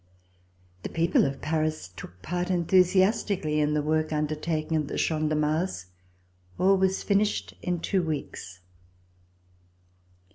The people of Paris took part enthusi astically in the work undertaken at the Champ de Mars. All was finished in two weeks.